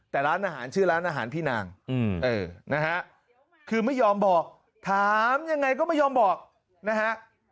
แต่ร้านอาหารชื่อร้านอาหารพี่นางนะฮะคือไม่ยอมบอกถามยังไงก็ไม่ยอมบอกนะฮะ